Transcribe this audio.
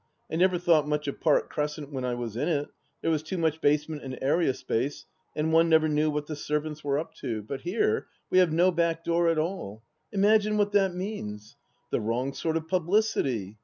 I never thought much of Park Crescent when I was in it; there was too much basement and area space, and one never knew what the servants were up to. But here we have no back door at all. Imagine what that means 1 The wrong sort of publicity.